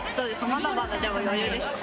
まだまだでも余裕ですか？